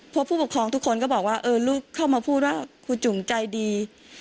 เพราะผู้ปกครองทุกคนก็บอกว่าเออลูกเข้ามาพูดว่าครูจุ๋มใจดี